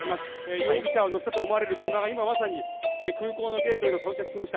容疑者を乗せたと思われる車が空港のゲートへと到着しました。